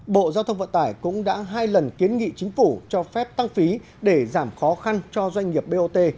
bộ giao thông vận tải cũng đã hai lần kiến nghị chính phủ cho phép tăng phí để giảm khó khăn cho doanh nghiệp bot